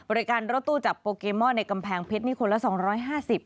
บริการรถตู้จับโปรเกมมอนในกำแพงเพชรนี้คนละ๒๕๐